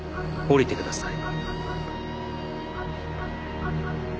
降りてください。